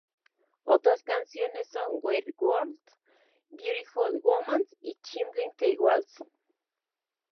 Otras canciones son "Weird World", "Beautiful Woman", y "Climbing The Walls".